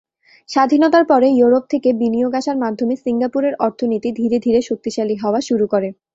স্বাধীনতার পরে ইউরোপ থেকে বিনিয়োগ আসার মাধ্যমে সিঙ্গাপুরের অর্থনীতি ধীরে ধীরে শক্তিশালী হওয়া শুরু করে।